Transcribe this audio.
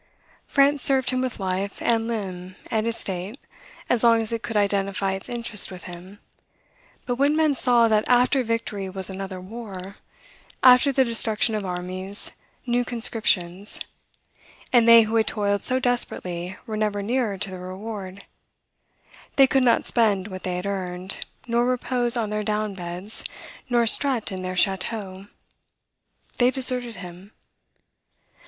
France served him with life, and limb, and estate, as long as it could identify its interest with him; but when men saw that after victory was another war; after the destruction of armies, new conscriptions; and they who had toiled so desperately were never nearer to the reward, they could not spend what they had earned, nor repose on their down beds, nor strut in their chateaux, they deserted him.